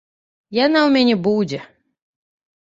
Яна ў мяне будзе.